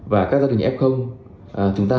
và các gia đình f chúng ta